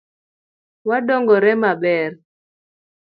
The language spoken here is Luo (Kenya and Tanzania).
Wadongore maber.